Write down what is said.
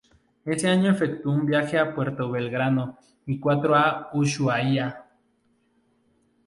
Ese año efectuó un viaje a Puerto Belgrano y cuatro a Ushuaia.